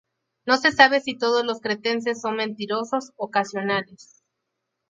No se sabe si todos los cretenses son mentirosos ocasionales.